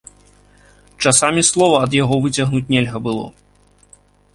Часамі слова ад яго выцягнуць нельга было.